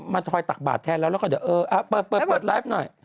ทอยตักบาทแทนแล้วแล้วก็เดี๋ยวเออเปิดไลฟ์หน่อย